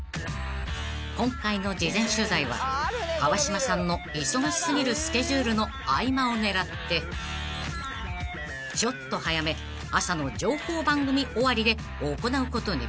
［今回の事前取材は川島さんの忙し過ぎるスケジュールの合間を狙ってちょっと早め朝の情報番組終わりで行うことに］